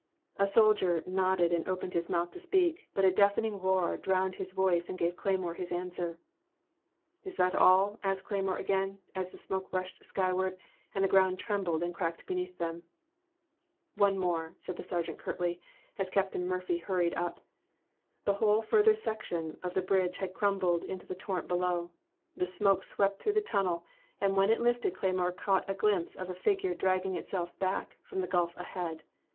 A soldier nodded and opened his mouth to speak, but a deafening roar drowned his voice and gave Cleymore his answer. '* Is that all ?" asked Cleymore again, as the 2o8 In the Name of the Most High. smoke rushed sksrward, and the ground trembled and cracked beneath them. One more/' said a sergeant curtly, as Captain Murphy hurried up. The whole further section of the bridge had crumbled into the torrent below. The smoke swept through the tunnel, and when it lifted Cleymore caught a glimpse of a figure dragging itself back fix>m the gulf ahead.